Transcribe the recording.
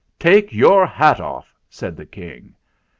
"Take your hat off!" said the King.